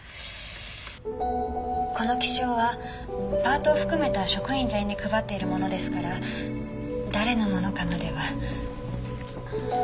この記章はパートを含めた職員全員に配っているものですから誰のものかまでは。